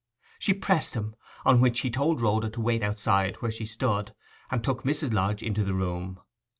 She pressed him; on which he told Rhoda to wait outside where she stood, and took Mrs. Lodge into the room.